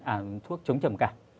à thuốc chống trầm cảm